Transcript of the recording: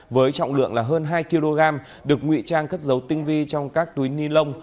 với trọng lượng là hơn hai kg được nguy trang cất dấu tinh vi trong các túi ni lông